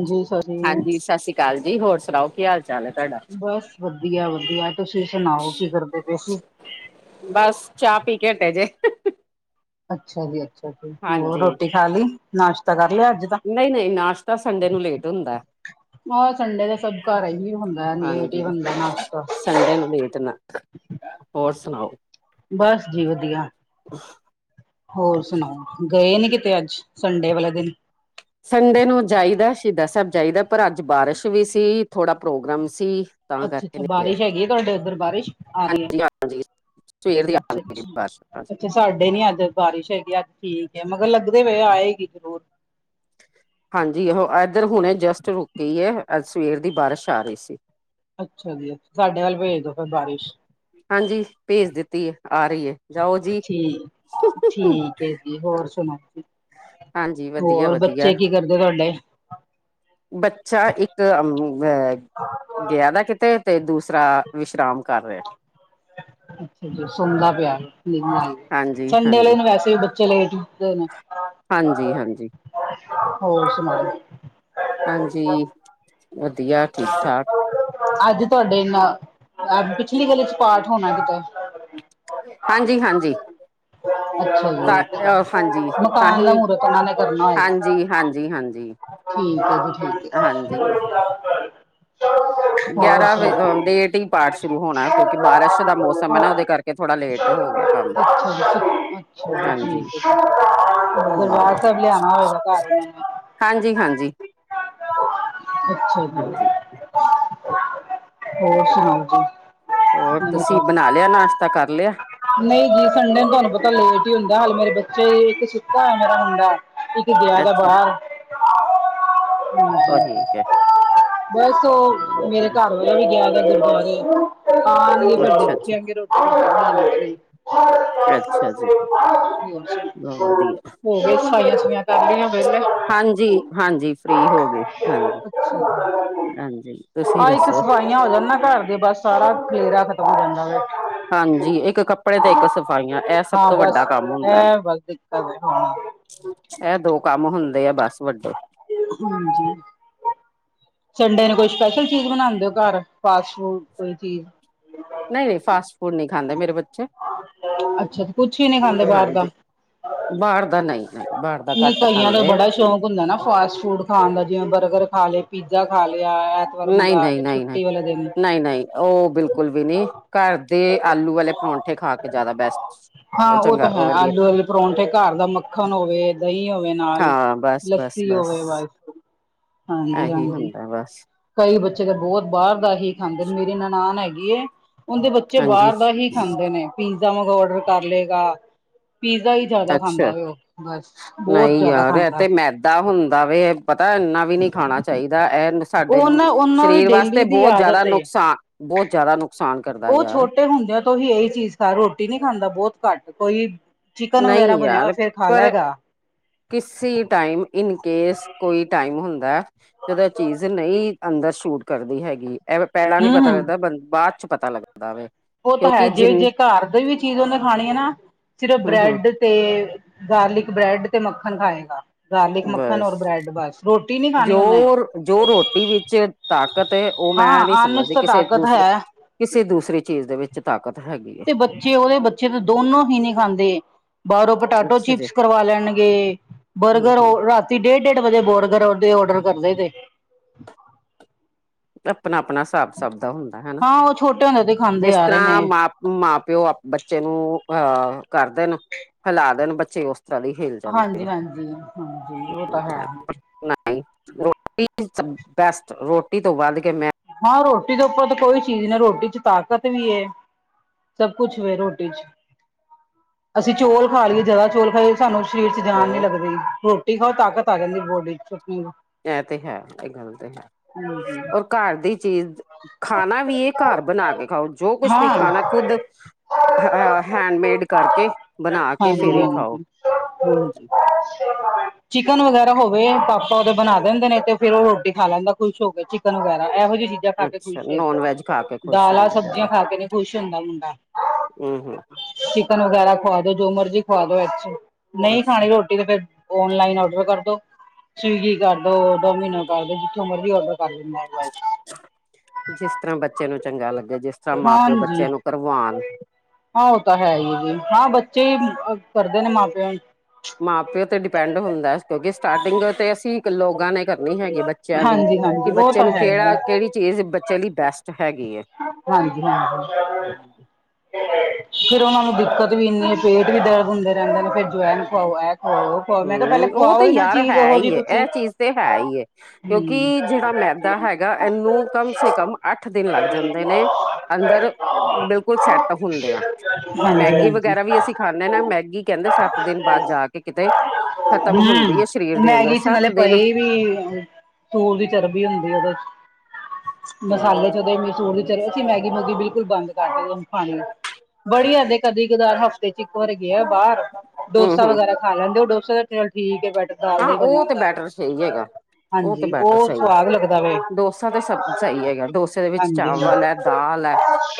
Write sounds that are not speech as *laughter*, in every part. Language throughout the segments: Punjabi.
ਹਾਂਜੀ ਸੋਰੀ ਹਾਂਜੀ ਸਤਿ ਸ਼੍ਰੀ ਅਕਾਲ ਜੀ ਹੋਰ ਸੁਣਾਓ ਕੀ ਹਾਲ ਚਾਲ ਹੈ ਤੁਹਾਡਾ? ਬਸ ਵਧੀਆ ਵਧੀਆ ਤੁਸੀਂ ਸੁਣਾਓ ਕੀ ਕਰਦੇ ਪੇ ਸੀ। ਬਸ ਚਾਹ ਪੀ ਕੇ ਹੱਟੇ ਜੇ ਅੱਛਾ ਜੀ ਅੱਛਾ ਜੀ ਹੋਰ ਹਾਂਜੀ ਰੋਟੀ ਖਾ ਲਈ ਨਾਸ਼ਤਾ ਕਰ ਲਿਆ ਅੱਜ ਤਾਂ ਨਹੀਂ ਨਹੀਂ ਨਾਸ਼ਤਾ ਸੰਡੇ ਨੂੰ ਲੇਟ ਹੁੰਦਾ ਆਹ ਸੰਡੇ ਦਾ ਸਭ ਘਰ ਹੁੰਦਾ ਲੇਟ ਹੀ ਹਾਂਜੀ। ਬਣਦਾ ਨਾਸ਼ਤਾ ਸੰਡੇ ਨੂੰ ਲੇਟ ਨਾ ਹੋਰ ਸੁਣਾਓ? ਬਸ ਜੀ ਵਧੀਆ ਹੋਰ ਸੁਣਾਓ ਗਏ ਨੀ ਕਿਤੇ ਅੱਜ ਸੰਡੇ ਵਾਲੇ ਦਿਨ? ਸੰਡੇ ਨੂੰ ਜਾਈਦਾ ਸ਼ਹੀਦਾਂ ਸਾਬ ਜਾਈਦਾ ਪਰ ਅੱਜ ਬਾਰਿਸ਼ ਵੀ ਸੀ ਥੋੜਾ ਪ੍ਰੋਗਰਾਮ ਸੀ ਤਾਂ ਅੱਛਾ ਕਰਕੇ ਅੱਛਾ ਨਹੀਂ ਗਏ ਬਾਰਿਸ਼ ਹੈਗੀ ਆ ਤੁਹਾਡੇ ਉੱਧਰ ਬਾਰਿਸ਼ ਆ ਰਹੀ ਹੈ ਹਾਂਜੀ ਹਾਂਜੀ ਸਵੇਰ ਦੀ ਅੱਛਾ ਆਂਦੀ ਅੱਛਾ ਬਸ ਹਾਂਜੀ। ਅੱਛਾ ਸਾਡੇ ਨੀ ਅੱਜ ਬਾਰਿਸ਼ ਹੈਗੀ ਅੱਜ ਠੀਕ ਹੈ ਮਗਰ ਲੱਗਦੇ ਪਏ ਆਏਗੀ ਜ਼ਰੂਰ ਹਾਂਜੀ ਉਹ ਇੱਧਰ ਹੁਣੇ ਜਸਟ ਰੁਕੀ ਹੈ ਸਵੇਰ ਦੀ ਬਾਰਿਸ਼ ਆ ਰਹੀ ਸੀ। ਅੱਛਾ ਜੀ ਸਾਡੇ ਵਲ ਭੇਜ ਦੋ ਫਿਰ ਬਾਰਿਸ਼ ਹਾਂਜੀ ਭੇਜ ਦਿੱਤੀ ਹੈ ਆ ਰਹੀ ਹੈ ਜਾਓ ਜੀ ਠੀਕ ਠੀਕ ਹੈ ਹੋਰ ਸੁਣਾਓ ਹਾਂਜੀ ਵਧੀਆ ਹੋਰ ਵਧੀਆ ਬੱਚੇ ਕੀ ਕਰਦੇ ਤੁਹਾਡੇ? ਬੱਚਾ ਇੱਕ ਗਿਆ ਦਾ ਕਿਤੇ ਤੇ ਦੂਸਰਾ ਵਿਸ਼ਰਾਮ ਕਰ ਰੇਐ ਅੱਛਾ ਸੁੰਦਾ ਪਿਆ ਹਾਂਜੀ, ਸੰਡੇ ਵਾਲੇ ਹਾਂਜੀ, ਦਿਨ ਵੈਸੇ ਵੀ ਬੱਚੇ ਲੇਟ ਉਠਦੇ ਨੇ ਦੇ ਹਾਂਜੀ, ਨੇ ਹਾਂਜੀ, ਹੋਰ ਸੁਣਾਓ। ਹਾਂਜੀ ਵਧੀਆ ਠੀਕ ਪੰਜਾਬ ਠਾਕ ਫ਼ੋਲੋ। ਅੱਜ ਤੁਹਾਡੇ ਪਿਛਲੀ ਗਲੀ ਚ ਪਾਠ ਹੋਣਾ ਕਿਤੇ ਹਾਂਜੀ ਹਾਂਜੀ ਅੱਛਾ ਤਾਂ ਜੀ ਅੱਛਾ ਅਹ ਹਾਂਜੀ ਮਕਾਨ ਦਾ ਤਾਂਹੀ ਮਹੂਰਤ ਉਹਨਾਂ ਨੇ ਕਰਨਾ ਹੋਏਗਾ ਹਾਂਜੀ ਹਾਂਜੀ ਹਾਂਜੀ ਠੀਕ ਆ ਜੀ ਠੀਕ ਹਾਂਜੀ ਗਿਆਰਾਂ ਵ ਲੇਟ ਹੀ ਪਾਠ ਸ਼ੁਰੂ ਹੋਣਾ ਕਿਉਂਕਿ ਬਾਰਿਸ਼ ਦਾ ਮੌਸਮ ਹੈ ਨਾ ਉਹਦੇ *inaudible* ਕਰਕੇ ਥੋੜਾ ਲੇਟ ਹੋ ਗਿਆ ਚੌਥੀ ਕੰਮ ਪਾਤਸ਼ਾਹੀ ਉਚਾੱਈ ਹਾਂਜੀ, ਸੋ ਰਿਹਾ ਹਾਂਜੀ, ਹੈ ਯ ਲਿਆਣਾ ਹੋਵੇਗਾ ਘਰ ਹਾਂਜੀ ਹਾਂਜੀ ਅੱਛਾ ਜੀ। ਹਾਂਜੀ। ਹੋਰ ਸੁਣਾਓ ਜੀ, ਹੋਰ ਨਵੀਂ ਤੁਸੀਂ ਤਾਜ਼ੀ। ਬਣਾ ਲਿਆ ਨਾਸ਼ਤਾ, ਕਰ ਲਿਆ ਨਹੀਂ ਜੀ ਸੰਡੇ ਨੂੰ ਤੁਹਾਨੂੰ ਪਤਾ ਲੇਟ ਹੀ ਹੁੰਦਾ, ਹਲੇ ਮੇਰੇ ਬੱਚੇ, ਇੱਕ ਸੁਤਾ ਹੈ ਮੇਰਾ ਮੁੰਡਾ ਗਿਆ ਦਾ ਅੱਛਾ ਬਾਹਰ ਉਹ ਹਾਂਜੀ। ਠੀਕ ਹੈ। ਬਸ ਉਹ ਠੀਕ ਮੇਰੇ ਹੈ ਘਰ ਵਾਲਾ ਵੀ ਗਿਆ ਦਾ ਗੁਰਦਆਰੇ ਆਾਂ ਨ ਫਿਰ ਅੱਛਾ, ਲਿੱਖੀ ਅੱਛਾ, ਆਗੇ ਰੋਟੀ ਬਣਾ ਅੱਛਾ ਜੀ, ਬਹੁਤ ਵਧੀਆ ਹੋ ਗਏ ਸਫਾਈਆਂ ਸੂਫਈਆਂ ਕਰ ਲਈਆਂ, ਵੇਹਲੇ ਹੋ। ਹਾਂਜੀ ਹਾਂਜੀ ਫ੍ਰਰੀ ਹੋ ਗਏ, ਹਾਂਜੀ ਅੱਛਾ ਹਾਂਜੀ, ਤੁਸੀਂ ਦੱਸੋ? ਸਫਾਇਆ ਹੋ ਜਾਂਣ ਨਾ ਘਰ ਦਿਆ ਬਸ, ਸਾਰਾ ਖਲੇਰਾ ਖਤਮ ਹੋ ਜਾਂਦਾ ਵਾ। ਹਾਂਜੀ ਇੱਕ ਕੱਪੜੇ ਤੇ ਇੱਕ ਸਫਾਈਆਂ, ਇਹ ਸਭ ਹਾਂ ਤੋਂ ਵੱਡਾ ਬਸ ਕੰਮ ਹੁੰਦਾ ਹੈ। ਇਹ ਬਸ ਦਿੱਕਤ ਹੈ ਹਾਂ ਇਹ ਦੋ ਕੰਮ ਹੁੰਦੇ ਆ ਬਸ ਵੱਡੇ ਹਾਂਜੀ। ਸੰਡੇ ਨੂੰ ਕੋਈ ਸਪੈਸ਼ਲ ਚੀਜ਼ ਬਣਾਉਂਦੇ ਹੋ ਘਰ, ਫਾਸਟ ਫੂਡ ਕੋਈ ਚੀਜ਼ ਨਹੀਂ ਨਹੀਂ, ਫਾਸਟ ਫੂਡ ਨਹੀਂ ਖਾਂਦੇ ਮੇਰੇ ਬੱਚੇ ਹ ਹਾਂਜੀ, ਬਾਹਰ ਦਾ ਨਹੀਂ ਨਹੀਂ, ਬਾਹਰ ਦਾ ਨਹੀਂ ਘੱਟ ਕਈਆਂ ਦਾ ਖਾਂਦੇ ਆ। ਬੜਾ ਸ਼ੌਕ ਹੁੰਦਾ ਨਾ ਫਾਸਟ ਫੂਡ ਖਾਣ ਦਾ, ਜਵੇਂ ਬਰਗਰ ਖਾ ਲਏ, ਪੀਜ਼ਾ ਖਾ ਲਿਆ। ਐਤਵਾਰ ਨਹੀਂ ਮੰਗਵਾ ਨਹੀਂ ਕੇ ਨਹੀਂ ਨਹੀਂ, ਛੁੱਟੀ ਵਾਲੇ ਦਿਨ ਨਹੀਂ ਨਹੀਂ, ਉਹ ਬਿਲਕੁਲ ਵੀ ਨਹੀਂ, ਘਰ ਦੇ ਆਲੂ ਵਾਲੇ ਪਰੌਂਠੇ ਖਾ ਕੇ ਜ਼ਿਆਦਾ ਬੈਸਟ ਹਾਂ ਉਹ ਤਾਂ ਚੰਗਾ ਹੈ, ਵਧੀਆ ਆਲੂ ਆਲੇ ਪਰੌਂਠੇ, ਘਰ ਦਾ ਮੱਖਣ ਹੋਵੇ, ਦਹੀਂ ਹੋਵੇ ਨਾਲ ਹਾਂ ਬਸ ਬਸ ਲੱਸੀ ਬਸ ਹੋਵੇ, ਵਸ ਇਹੀ ਹਾਂਜੀ, ਹੁੰਦਾ ਬਸ ਕਈ ਬੱਚੇ ਤਾਂ ਬਹੁਤ ਬਾਹਰ ਦਾ ਹੀ ਖਾਂਦੇ ਨੇ, ਮੇਰੀ ਨਨਾਨ ਹੈਗੀ ਐ ਉਹਦੇ ਬੱਚੇ ਹਾਂਜੀ ਬਾਹਰ ਦਾ ਹੀ ਖਾਂਦੇ ਨੇ, ਪੀਜ਼ਾ ਆਰਡਰ ਕਰ ਲਏਗਾ, ਪੀਜ਼ਾ ਹੀ ਅੱਛਾ ਖਾਂਦਾ ਵੀ ਉਹ ਬਸ ਬਹੁਤ ਨਹੀਂ ਜ਼ਿਆਦਾ ਯਾਰ, ਇਹ ਖਾਂਦਾ ਤੇ ਮੈਦਾ ਹੁੰਦਾ ਵ ਪਤਾ ਇੰਨਾ ਵੀ ਨਹੀਂ ਖਾਣਾ ਚਾਹੀਦਾ, ਇਹ ਸਾਡੇ ਉਹ ਨਾ ਉਹਨਾਂ ਦੀ ਸਰੀਰ ਵਾਸਤੇ ਡੇਲੀ ਦੀ ਬਹੁਤ ਜ਼ਿਆਦਾ ਆਦਤ ਏ ਨੁਕਸਾਨ, ਬਹੁਤ ਜ਼ਿਆਦਾ ਨੁਕਸਾਨ ਕਰਦਾ, ਉਹ ਯਾਰ ਛੋਟੇ ਹੁੰਦਿਆਂ ਤੋਂ ਹੀ ਇਹੀ ਚੀਜ਼ ਖ ਰੋਟੀ ਨਹੀਂ ਖਾਂਦਾ ਬਹੁਤ ਘੱਟ, ਕੋਈ ਚਿਕਨ ਵਗੈਰਾ ਨਹੀਂ ਬਣਿਆ ਹੋ ਯਾਰ ਫੇਰ ਖਾ ਪਰ ਲੈਗਾ। ਕਿਸੇ ਟਾਈਮ ਇਨਕੇਸ, ਕੋਈ ਟਾਈਮ ਹੁੰਦਾ ਜਦੋਂ ਚੀਜ਼ ਨਹੀਂ ਅੰਦਰ ਸ਼ੂਟ ਕਰਦੀ ਹੈਗੀ, ਐ ਪੈਲਾਂ ਨੀ ਹੂੰ ਪਤਾ ਹੂੰ ਲੱਗਦਾ ਬੰ ਬਾਅਦ ਚ' ਪਤਾ ਲੱਗਦਾ ਵੇ। ਉਹ ਤਾਂ ਹੈ, ਕਿਉਂਕਿ ਜੇ ਜਿੰਨ ਜੇ ਘਰ ਦੀ ਵੀ ਚੀਜ਼ ਉਹਨੇ ਖਾਣੀ ਹੈ ਨਾ, ਸਿਰਫ ਹੂੰ ਹੂੰ ਬਰੈਡ ਤੇ ਗਾਰਲਿਕ ਬ੍ਰੈਡ ਤੇ ਮੱਖਣ ਖਾਏਗਾ। ਗਾਰਲਿਕ ਮੱਖਣ ਬਸ, ਔਰ ਬ੍ਰੈਡ ਬਸ ਰੋਟੀ ਨੀ ਖਾਣੀ ਜੋ ਉਹਨੇ ਜੋ ਰੋਟੀ ਵਿੱਚ ਤਾਕਤ ਉਹ ਮੈਂ ਨਹੀਂ ਹਾਂ ਅੰਨ ਚ ਸਮਝਦੀ, ਤਾਂ ਕਿਸੇ ਤਾਕਤ ਦੂਸਰੇ ਹੈ ਕਿਸੇ ਦੂਸਰੇ ਚੀਜ਼ ਦੇ ਵਿੱਚ ਤਾਕਤ ਹੈਗੀ। ਹੈ ਤੇ ਬੱਚੇ ਓਦੇ, ਬੱਚੇ ਤਾਂ ਦੋਨੋ ਹੀ ਨੀ ਖਾਂਦੇ ਬਾਰੋਂ ਪਟਾਟੋ ਅੱਛਾ ਜੀ ਚਿਪਸ ਕਰਵਾ ਲੈਣਗੇ, ਹੂੰ ਬਰਗਰ ਓ ਹੂੰ ਰਾਤ ਰਾਤੀ ਡੇਡ, ਡੇਡ ਵਜੇ ਬੋਰਗਰ ਦੇ ਔਡਰ ਕਰਦੇ ਜੇ ਅਪਨਾ, ਅਪਨਾ ਸ੍ਹਾਬ ਸਬ ਦਾ ਹੁੰਦੈ ਹੇਨਾ, ਹਾਂ ਉਹ ਛੋਟੇ ਹੁੰਦੇ ਤੇ ਖਾਂਦੇ ਜਿੱਸ ਆ ਰਹੇ ਤਰਾਂ ਨੇ ਮਾਂ ਮਾਂ ਪੇਓ ਅ ਬੱਚੇ ਨੂੰ, ਅ ਕਰਦੇਨ ਹਲਾਅ ਦੇਨ, ਬੱਚੇ ਓਸ *unintelligible* ਹਿਲ ਜਾਂਦੇ ਹਾਂਜੀ, ਆ ਹਾਂਜੀ, ਹਾਂਜੀ ਓ ਤਾ ਹੈ। ਨਈ ਰੋਟੀ ਇਜ਼ ਬੈਸਟ, ਰੋਟੀ ਤੋ ਵੱਧ ਕੇ ਮੈਂ ਹਾਂ ਰੋਟੀ ਦੇ ਉਪਰੋ ਤੇ ਕੋਈ ਚੀਜ ਨੀ ਐ, ਰੋਟੀ ਚ ਤਾਕਤ ਵੀ ਏ ਸਬ ਕੁਛ ਵੇ ਰੋਟੀ ਚ, ਅਸੀ ਚੋਲ ਖਾ ਲੀਏ ਜਾਦਾ ਚੋਲ ਖਾਲੀਏ ਸਾਨੂੰ ਸ਼ਰੀਰ ਚ ਜਾਨ ਨੀ ਲੋ ਲੱਗਦੀ, ਰੋਟੀ ਖਾਓ ਤਾਕਤ ਆ ਜਾਂਦੀ ਬੋਡੀ ਚ ਚਟਨੀ ਨਾ ਐ ਤੇ ਹੈ, ਏ ਗੱਲ ਤੇ ਹੈ, ਔਰ ਘਾਰ ਦੀ ਚੀਜ਼ ਖਾਨਾ ਵੀ ਏ ਘਾਰ ਬਨਾ ਕੇ ਖਾਓ, ਜੋ ਕੁਛ ਵੀ ਹਾਂ ਖਾਨਾ ਖੁਦ ਅ ਹ ਹੈਂਡਮੇਡ ਕਾਰਕੇ, ਬਨਾ ਕੇ ਹਾਂਜੀ ਫੇਰ ਈ ਖਾਓ। ਹਾਂਜੀ ਚਿਕਨ ਵਗੈਰਾ ਹੋਵੇ, ਪਾਪਾ ਓਦੇ ਬਨਾ ਦੇਂਦੇ ਨੇ, ਤੇ ਫੇਰ ਓ ਰੋਟੀ ਖਾ ਲੈਂਦਾ ਖੁਸ਼ ਹੋ ਕੇ। ਚਿਕਨ ਵਗੈਰਾ, ਏਹੋ ਜੀ ਚੀਜਾਂ ਖਾਕੇ ਅੱਛਾ ਖੁਸ਼ ਏ ਨੋਨ ਵੈਜ ਖਾ ਕੇ ਖੁਸ਼ ਦਾਲਾਂ, ਹੁੰਦੇ ਸਬਜ਼ੀਆਂ ਜ਼ਿਆਦਾ ਖਾ ਕੇ ਨੀ ਖੁਸ਼ ਹੁੰਦਾ ਮੁੰਡਾ। ਹੂੰ ਹੂੰ ਚਿਕਨ ਵਗੈਰਾ ਖਵਾਦੋ, ਜੋ ਮਰਜੀ ਖਵਾ ਦੋ ਏਚੋ, ਨਈ ਅੱਛਾ ਖਾਣੀ ਰੋਟੀ ਨੀ ਤੇ ਫੇਰ ਓਨਲਾਈਨ ਔਡਰ ਕਰਦੋ। ਸਵੀਗੀ ਕਾਰਦੋ, ਡੋਮੀਨੋ ਕਾਰ ਦੋ ਜਿੱਥੋਂ ਮਰਜੀ ਔਡਰ ਕਾਰ ਦਿੰਦਾ ਏ ਜਿਸ ਤਰਾਂ ਬੱਚੇ ਨੂੰ ਚੰਗਾ ਲੱਗੇ, ਜਿਸ ਤਰਾਂ ਮਾਂ ਪੇਓ ਹਾਂਜੀ ਬੱਚੇ ਨੂੰ ਕਰਵਾਨ ਹਾਂ ਓ ਤਾਂ ਹੈਈ ਜੀ, ਹਾਂ ਬੱਚੇ ਈ ਕਰਦੇ ਨੇ ਮਾਂ ਪੇਓ ਮਾਂ ਪੇਓ ਤੇ ਡਿਪੈਂਡ ਹੁੰਦਾ, ਕਿਉਂਕਿ ਸਟਾਰਟਿੰਗ ਤੇ ਅਸੀ ਲੋਗਾਂ ਨੇ ਕਰਨੀ ਹੈਗੀ ਬੱਚੇਆਂ ਦੀ, ਹਾਂਜੀ ਕਿ ਹਾਂਜੀ ਬੱਚੇ ਨੂੰ ਕੇੜਾ, ਕੇੜੀ ਚੀਜ਼ ਬੱਚੇ ਲਈ ਬੈਸਟ ਹੈਗੀ ਹੈ ਹਾਂਜੀ-ਹਾਂਜੀ *unintelligible* ਫ਼ੇਰ ਓਨਾਂ ਨੂੰ ਦਿੱਕਤ ਵੀ ਇੰਨੀ ਏ, ਪੇਟ ਵੀ ਦਰਦ ਹੁੰਦੇ ਰੈਂਦੇ ਨੇ, ਫੇਰ ਜਵੈਨ ਖਵਾਓ, ਐ ਖਵਾਓ, ਓਹ ਹੂੰ, ਓ ਤੇ ਯਾਰ ਹੈ ਈ ਏ, ਤੁਸੀਂ ਐ ਚੀਜ ਤੇ ਹੈ ਈ ਏ, ਹੂੰ ਕਿਉਂਕਿ ਜੇੜਾ ਮੈਦਾ ਹੈ ਗਾ ਏਨੂੰ ਕਮ ਸੇ ਕਮ ਆੱਠ ਦਿਨ ਲਾਗ ਜਾਂਦੇ ਨੇ, ਅੰਦਰ ਬਿਲਕੁਲ ਸੈਟ ਹੁੰਦੇਆਂ ਹਾਂਜੀ ਮੈਗੀ ਹਾਂਜੀ ਵਗੈਰਾ ਵੀ ਅਸੀ ਖਾਂਨੇ ਆ ਨਾ, ਮੈਗੀ ਕੈਂਦੇ ਸਾੱਤ ਦਿਨ ਬਾਦ ਜਾ ਕੇ ਕਿਤੇ ਖ਼ਤਮ ਹੁੰਦੀ ਹੂੰ, ਹੈ ਸਰੀਰ ਦੇ ਅੰਦਰ ਮੈਗੀ ਚ ਨਾਲੇ ਸੱਤ ਦਿਨ ਪਈ ਵੀ ਸੂਰ ਦੀ ਚਰਬੀ ਹੁੰਦੀ ਏ ਓਦੇ ਚ ਹਮ ਮਸਾਲੇ ਚ ਓਦੇ ਮਸੂਰ ਚਲੋ ਅਸੀ ਮੈਗੀ, ਮੂਗੀ ਬਿਲਕੁਲ ਬੰਦ ਕਾਰਤੀ ਹੁਨ ਖਾਣੀ, ਬੜੀ ਏ ਤੇ ਕਦੀ ਕਦਾਰ ਹਫ਼ ਤੇ ਚ ਇਕ ਵਾਰ ਗੇਆ ਬਾਰ, ਹੂੰ ਡੋਸਾ ਹੂੰ ਵਗੈਰਾ ਖਾ ਲੈਂਦੇ ਓ ਡੋਸਾ ਚਲ ਠੀਕੇ ਬਟ ਹਾਂ ਓ ਤੇ ਬੈਟਰ ਸਈ ਹੈਗਾ, ਓ ਤੇ ਹਾਂਜੀ ਬੈਟਰ ਉਹ ਸਈ ਏ, ਸਵਾਦ ਲੱਗਦਾ ਵੇ। ਡੋਸਾ ਤੇ ਸਬ ਸਹੀ ਹੈਗਾ, ਡੋਸੇ ਦੇ ਵਿਚ ਹਾਂਜੀ ਹਾਂ। ਚਾਵਲ ਐ, ਦਾਲ ਐ,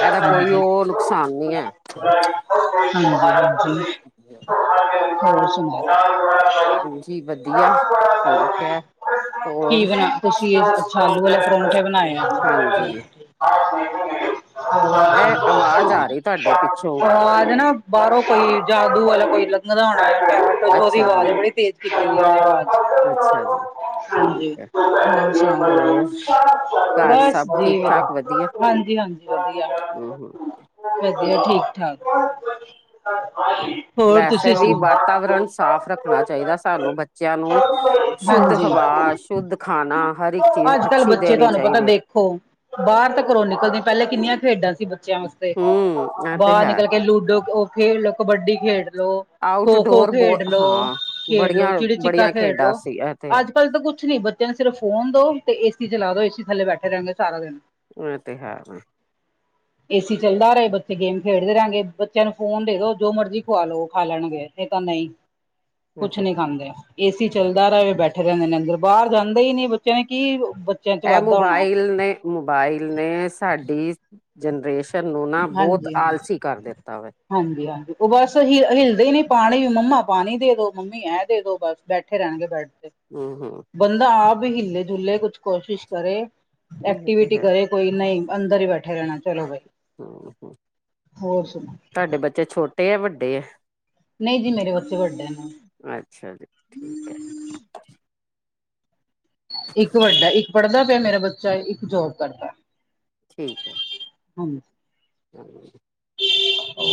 ਏਦਾ ਕੋਈ ਹਾਂਜੀ। ਓ ਨੁਕਸਾਨ ਨੀ ਏ। *inaudible* ਹਾਂਜੀ, ਵਧੀਆ ਠੀਕ ਐ। ਕੀ ਬਨਾ, ਤੂਸੀ ਅੱਛਾ ਆਲੂ ਵਾਲੇ ਪਰੌਂਠੇਂ ਬਨਾਏ ਆ। ਹਾਂਜੀ। *inaudible* ਐ ਅਵਾਜ ਆਰੀ ਤੂਆਡੇ ਪਿੱਛੋ। ਬਾਰੋਂ ਕੋਈ ਜਾਦੂ ਵਾਲਾ ਕੋਈ ਲੰਘ ਦਾ ਹੋਣਾ, ਓਦੀ ਅੱਛਾ ਵਾਜ ਜੀ ਐ ਬੜੀ ਤੇਜ ਕੀਤੀ ਆ ਵਾਜ। *inaudible* ਅੱਛਾ ਜੀ ਠੀਕ ਹੈ ਹੋਰ ਘਰ ਬਸ ਸਭ ਠੀਕ ਜੀ, ਠਾਕ ਵਧੀਆ ਹਾਂਜੀ-ਹਾਂਜੀ ਵਦੀਆ। ਹੂੰ ਵਦੀਆ ਠੀਕ-ਠਾਕ। ਵੈਸੇ ਵੀ ਵਾਤਾਵਰਨ ਸਾਫ਼ ਰੱਖਣਾ ਚਾਈਦਾ ਸਾਨੂੰ ਬ ਬੱਚੇਆਂ ਨੂੰ ਸ਼ੁੱਧ ਹਵਾ, ਹਾਂਜੀ ਸ਼ੁੱਧ ਖਾਨਾ ਹਰ ਇਕ ਚੀਜ ਅੱਜ ਕੱਲ੍ਹ ਅੱਛੀ ਬੱਚੇ ਦੇਣੀ ਚਾ ਤੁਹਾਨੂੰ ਪਤਾ ਦੇਖੋ ਬਾਰ ਤਾਂ ਘਰੋਂ ਨਿਕਲਦੇ, ਪੈਲੇ ਕਿੰਨੀਆਂ ਖੇਡਾਂ ਸੀ ਬੱਚੇਆਂ ਵਾਸ ਤੇ ਹੂੰ ਇਹ ਤੇ ਬਾਰ ਹੈ ਨਿਕਲ ਕੇ ਲੂਡੋ, ਓ ਖੇਡਲੋ ਕਬੱਡੀ ਖੇਡਲੋ ਖੋ-ਖੋ ਆਊਟਡੋਰ ਬਹੁ ਖੇਡਲੋ, ਹਾਂ ਖੇਡਲੋ ਬੜੀਆਂ ਚਿੜੀ-ਛਿੱਕਾ ਬੜੀਆਂ ਖੇਡਾਂ ਖੇਡਲੋ, ਸੀ ਇਹ ਤੇ ਹੈ ਅੱਜ ਅੱਜ-ਕੱਲ ਤਾਂ ਕੁੱਝ ਨੀ ਬੱਚਿਆਂ ਨੂੰ ਸਿਰਫ ਫੋਨ ਦੋ ਤੇ ਏਸੀ ਚਲਾ ਦੋ, ਏਸੀ ਥੱਲੇ ਬੈਠੇ ਰੈਣਗੇ ਸਾਰਾ ਦਿਨ ਇਹ ਤੇ ਹੈ ਫਿਰ। *inaudible* ਏਸੀ ਚੱਲਦਾ ਰਹੇ ਬੱਚੇ ਗੇਮ ਖੇਡਦੇ ਰਹਿਣਗੇ, ਬੱਚਿਆਂ ਨੂੰ ਫੋਨ ਦੇ ਦੋ ਜੋ ਮਰਜ਼ੀ ਖਵਾ ਲੋ, ਖਾ ਲੈਣਗੇ। ਏਦਾ ਨਹੀਂ ਇਹ ਕੁਛ ਤੇ ਨੀ ਹੈ ਖਾਂਦੇ। ਏਸੀ ਚੱਲਦਾ ਰਹੇ ਬੈਠੇ ਰਹਿੰਦੇ ਨੇ ਅੰਦਰ ਬਾਰ ਜਾਂਦੇ ਹੀ ਨੀ ਬੱਚਿਆਂ ਨੇ ਕੀ ਬੱਚੇ ਇਹ ਮੋਬਇਲ ਨੇ, ਮੋਬਇਲ ਨੇ ਸਾਡੀ ਜਨਰੇਸ਼ ਸ਼ਨ ਨੂੰ ਨਾ ਬਹੁਤ ਆਲਸੀ ਕਰ ਦਿੱਤਾ ਵੇ। ਹਾਂਜੀ-ਹਾਂਜੀ ਉਹ ਬਸ ਹਿਲ ਹਿਲਦੇ ਹੀ ਨੀ ਪਾਣੀ ਮੰਮਾ ਪਾਣੀ ਦੇ ਦੋ ਮੰਮੀ ਐ ਦੇ ਦੋ ਬਸ। ਬੈਠੇ ਰਹਿਣਗੇ ਬੈਡ ਤੇ। ਹੂੰ-ਹੂੰ ਬੰਦਾ ਆਪ ਵੀ ਹੀਲੇ ਜੁਲੇੇ ਕੁਛ ਕੋਸ਼ਿਸ ਕਰੇ ਇਹ ਤੇ ਐਕਟੀਵਿਟੀ ਹੈ ਕਰੇ। ਕੋਈ ਨਹੀਂ ਅੰਦਰ ਹੀ ਬੈਠੇ ਰਹਿਣਾ ਚੱਲੋ ਬਈ। *inaudible* ਹੋਰ ਸੁਣੋ ਤੁਹਾਡੇ ਬੱਚੇ ਛੋਟੇ ਹੈ ਵੱਡੇ ਹੈ? ਨਹੀ ਜੀ ਮੇਰੇ ਬੱਚੇ ਵੱਡੇ ਨੇ। ਅੱਛਾ ਜੀ, ਠੀਕ ਹੈ। ਇੱਕ ਵੱਡਾ ਇੱਕ ਪੜ੍ਹਦਾ ਪਿਆ ਮੇਰਾ ਬੱਚਾ, ਇੱਕ ਜੋਬ ਕਰਦਾ। ਠੀਕ ਹੈ। ਹਾਂਜੀ। ਹ *inaudible* ਹੋ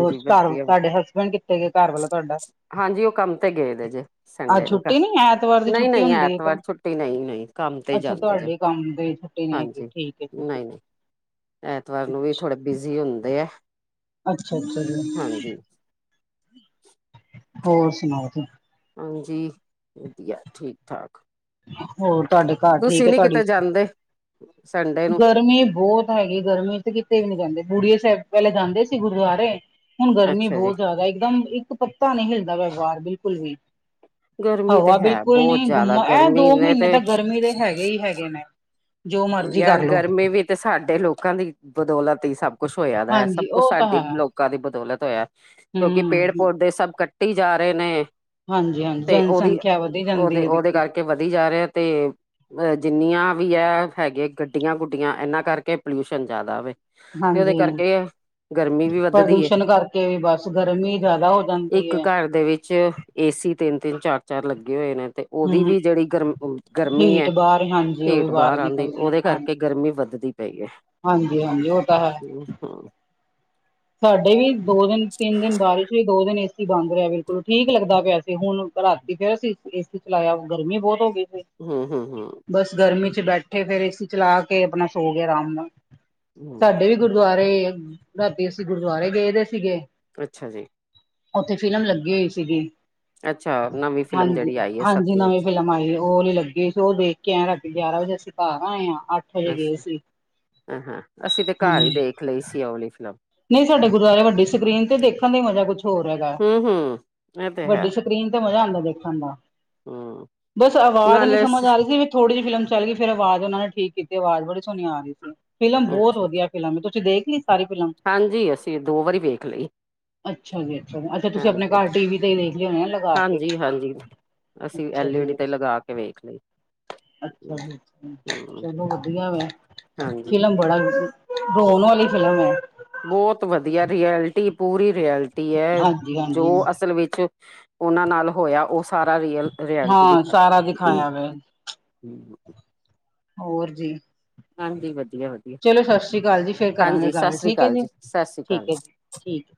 ਹੋਰ ਘਰ ਵ ਤੁਹਾਡੇ ਹਸਬੈਂਡ ਕਿੱਥੇ ਗਏ ਘਰਵਾਲਾ ਤੁਹਾਡਾ? ਹਾਂਜੀ ਉਹ ਕੰਮ ਤੇ ਗਏ ਦੇ ਜੇ, ਸੰਡੇ ਅੱਜ ਨੂੰ ਛੁੱਟੀ ਨੀ ਐਤਵਾਰ ਦੀ ਛੁੱਟੀ ਨਹੀ-ਨਹੀ ਹੁੰਦੀ ਹੈ ਤਾਂ ਐਤਵਾਰ ਛੁੱਟੀ ਨਹੀ-ਨਹੀ। ਕੰਮ ਤੇ ਹੀ ਅੱਛਾ ਜਾਂਦੇ ਜੇ ਤੁਹਾਡੇ ਕੰਮ ਦੀ ਛੁੱਟੀ ਨੀ ਹੈਗੀ ਹਾਂਜੀ ਠੀਕ ਹੈ ਜੀ ਠੀਕ ਨਹੀ-ਨਹੀ। ਐਤਵਾਰ ਨੂੰ ਵੀ ਥੋੜੇ ਬਿਜ਼ੀ ਹੁੰਦੇ ਐ। ਅੱਛਾ ਜੀ ਚੱਲੋ। ਹਾਂਜੀ। ਹੋਰ ਸੁਣਾਓ ਜੀ। ਹਾਂਜੀ ਵਧੀਆ ਠੀਕ-ਠਾਕ। ਹੋਰ ਤੁਹਾਡੇ ਘਰ ਠੀਕ ਹੈ ਤੁਹਾਡੀ, ਕਿਤੇ ਜਾਂਦੇ ਸੰਡੇ ਨੂੰ ਗਰਮੀ ਬਹੁਤ ਹੈਗੀ ਗਰਮੀ ਤੇ ਕਿਤੇ ਵੀ ਨੀ ਜਾਂਦੇ‌, ਬੁੜੀਏ ਸਹਿਬ ਪਹਿਲੇ ਜਾਂਦੇ ਸੀ ਗੁਰਦੁਆਰੇ। ਹੁਣ ਗਰਮੀ ਅੱਛਾ ਜੀ ਬਹੁਤ ਜਾਦਾ ਇੱਕਦਮ ਇੱਕ ਪੱਤਾ ਨੀ ਹਲਦਾ ਪਿਆ ਬਾਰ ਬਿਲਕੁਲ ਵੀ। ਗਰਮੀ ਤੇ ਹਵਾ ਹੈ ਬਿਲਕੁਲ ਬਹੁਤ ਨੀ ਜ਼ਿਆਦਾ ਗੁੰਮਾ ਇਹ ਦੋ ਗਰਮੀ ਨੇ ਮਹੀਨੇ ਤੇ ਗਰਮੀ ਦੇ ਹੈਗੇ ਹੀ ਹੈਗੇ ਨੇ। ਜੋ ਮਰਜ਼ੀ ਯਾਰ ਕਰਲੋ ਗਰਮੀ ਵੀ ਤੇ ਸਾਡੇ ਲੋਕਾਂ ਦੀ ਬਦੌਲਤ ਹੀ ਸਭ। ਕੁਛ ਹੋਇਆ ਦਾ ਹੈ ਸਭ ਹਾਂਜੀ ਕੁੱਛ ਉਹ ਤਾਂ ਸਾਡੀ ਲੋ ਹੈ ਲੋਕਾਂ ਦੀ ਬਦੌਲਤ ਹੋਇਆ, ਕਿਉਕਿ ਹੂੰ ਹਾਂਜੀ ਪੇੜ-ਪੌਦੇ ਸਭ ਕੱਟੀ ਜਾ ਰਹੇ ਨੇ। ਹਾਂਜੀ ਤੇ ਉਹਦੀ ਜਨਸੰਖਿਆ ਵਧੀ ਜਾਂਦੀ ਹੈ ਉਹਦੇ-ਉਹਦੇ ਕਰ ਕਰਕੇ ਵਧੀ ਜਾ ਰਿਹਾ ਤੇ ਅ ਜਿੰਨੀਆਂ ਵੀ ਐ ਹੈਗੇ ਗੱਡੀਆਂ-ਗੁੱਡੀਆਂ ਇਹਨਾਂ ਕਰਕੇ ਪੋਲਿਊਸ਼ਨ ਜਾਦਾ ਵੇ ਤੇ ਉਹਦੇ ਹਾਂਜੀ ਕਰਕੇ ਗਰਮੀ ਵੀ ਵੱਧਦੀ ਏ, ਪ੍ਰਦੂਸ਼ਣ ਕਰਕੇ ਵੀ ਬਸ ਗਰਮੀ ਜ਼ਿਆਦਾ ਹੋ ਇੱਕ ਜਾਂਦੀ ਹੈ ਘਰ ਦੇ ਵਿੱਚ ਏਸੀ ਤਿੰਨ-ਤਿੰਨ, ਚਾਰ-ਚਾਰ ਲੱਗੇ ਹੋਏ ਨੇ ਤੇ ਉਹਦੀ ਹੂੰ ਵੀ ਜਿਹੜੀ ਗਰਮ ਗਰਮੀ ਹੀਟ ਹੈ ਬਾਹਰ ਹਾਂਜੀ ਉਹ ਵੀ ਹੀਟ ਬਾਰ ਬਾਹਰ ਆਂਦੀ। ਨਿਕਲਦੀ ਉਹਦੇ ਕਰਕੇ ਗਰਮੀ ਵੱਧਦੀ ਪਈ ਏ। ਹਾਂਜੀ-ਹਾਂਜੀ ਉਹ ਤਾ ਹੈ। *inaudible* ਤਹਾਡੇ ਵੀ ਦੋ-ਦਿਨ, ਤਿੰਨ-ਦਿਨ ਬਾਰਿਸ਼ ਦੋ-ਦਿਨ ਏਸੀ ਬੰਦ ਰਿਆ ਬਿਲਕੁਲ ਠੀਕ ਲੱਗਦਾ ਪਿਆ ਸੀ। ਹੁਣ ਰਾਤੀ ਫੇਰ ਅਸੀਂ ਏ ਏਸੀ ਚਲਾਇਆ ਗਰਮੀ ਬੋਤ ਹੋਗੀ ਸੀ। ਹੂ, ਹੂ, ਹੂ। ਬਸ ਗਰਮੀ ਚ ਬੈਠੇ ਫੇਰ ਏਸੀ ਚਲਾ ਕੇ ਆਪਣਾ ਸੋ ਗਏ ਆਰਾਮ ਨਾ ਹਮ ਸਾਡੇ ਵੀ ਗੁਰਦੁਆਰੇ ਰਾਤੀ ਅਸੀਂ ਗੁਰਦੁਆਰੇ ਗਏ ਵੇ ਸੀਗੇ ਅੱਛਾ ਜੀ। ਓਥੇ ਫਿਲਮ ਲੱਗੀ ਹੋਈ ਸੀਗੀ। ਅੱਛਾ, ਨਵੀਂ ਫਿਲਮ ਜੇੜੀ ਆਈ ਐ ਸਤਲੁਜ। ਮਾਰੀ ਓ ਵਾਲੀ ਲੱਗੀ ਸੀ ਓ ਦੇਖ ਕੇ ਆਏ ਰਾਤੀਂ ਗਿਆਰਾਂ ਵਜੇ ਅਸੀਂ ਘਰ ਆਏ ਆ ਅੱਠ ਵਜੇ ਗਏ ਅੱਛਾ, ਸੀ ਅੱਛਾ ਅਸੀਂ ਤੇ ਘਰ ਈ ਦੇਖ ਲਈ ਸੀ ਆ ਵਾਲੀ ਫਿਲਮ। ਨਈ ਸਾਡੇ ਗੁਰਦੁਆਰੇ ਵੱਡੀ ਸਕਰੀਨ ਤੇ ਦੇਖਣ ਦਾ ਈ ਮਜ਼ਾ ਕੁੱਛ ਹੋਰ ਹੈਗਾ ਹਮ ਹਮ ਇਹ ਤੇ ਹੈ ਵੱਡੀ ਸਕ ਸਕਰੀਨ ਤੇ ਮਜ਼ਾ ਆਂਦਾ ਦੇਖਣ ਦਾ ਹਮ ਬਸ ਆਵਾਜ਼ ਨੀ ਨਾਲੇ ਸਮਝ ਆ ਰਹੀ ਸੀ ਵੀ ਥੋੜੀ ਜੀ ਫਿਲਮ ਚਲ ਗਈ ਫਿਰ ਆਵਾਜ਼ ਓਨਾ ਨੇ ਠੀਕ ਕੀਤੀ, ਆਵਾਜ਼ ਬੜੀ ਸੋਹਣੀ ਆ ਰਹੀ ਸੀ, ਫਿਲਮ ਬੋਤ ਅੱਛਾ ਵਧੀਆ। ਫਿਲਮ ਤੁਸੀਂ ਦੇਖ ਲੀ ਸਾਰੀ ਫਿਲਮ? ਹਾਂਜੀ, ਅਸੀਂ ਦੋ ਵਾਰੀ ਵੇਖ ਲਈ। ਅੱਛਾ ਜੀ ਅੱਛਾ, ਅੱਛਾ ਤੁਸੀਂ ਆਪਣੇ ਹਾਂਜੀ ਘਰ ਟੀ ਵੀ ਤੇ ਈ ਦੇਖ ਲੀ ਹੋਣੀ ਆ ਲਗਾ ਕੇ। ਹਾਂਜੀ ਹਾਂਜੀ। ਅਸੀਂ ਅੱਛਾ ਐਲ ਈ ਡੀ ਜੀ ਤੇ ਅੱਛਾ ਲਗਾ ਕੇ ਵੇਖ ਲਈ। ਅੱਛਾ ਹੂੰ ਜੀ, ਚਲੋ ਵਧੀਆ ਵਾ ਹਾਂਜੀ ਫਿਲਮ ਬੜਾ ਵਧੀ ਰੋਣ ਆਲੀ ਫਿਲਮ ਐ। ਬੋਤ ਵਧੀਆ ਰੀਐਲਿਟੀ ਪੂਰੀ ਰੀਐਲਿਟੀ ਐ ਹਾਂਜੀ ਜੋ ਹਾਂਜੀ ਅਸਲ ਵਿੱਚ ਓਨਾਂ ਨਾਲ ਹੋਇਆ, ਓ ਸਾਰਾ ਰੀਅਲ ਰਿਐਲਿਟੀ ਹਾਂ, ਸਾਰਾ ਦਿਖਾਇਆ ਵਾ। ਹੂੰ। ਹੋਰ ਜੀ। ਹਾਂਜੀ, ਵਧੀਆ-ਵਧੀਆ। ਚਲੋ ਸਸ੍ਰੀ ਅਕਾਲ ਜੀ ਫੇਰ ਕਰਾਂਗੇ ਗੱਲ ਸ੍ਰੀ ਠੀਕ ਆ ਅਕਾਲ ਜੀ ਸਤਿ ਸ੍ਰੀ ਅਕਾਲ ਜੀ-ਠੀਕ ਆ ਜੀ ਠੀਕ।